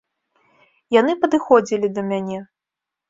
Яны падыходзілі да мяне.